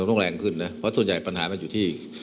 มันต้องแรงขึ้นเพราะส่วนใหญ่ปัญหาอยู่ที่